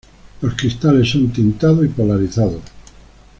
Los cristales son tintado y polarizados.